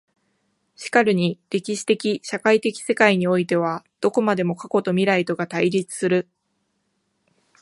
然るに歴史的社会的世界においてはどこまでも過去と未来とが対立する。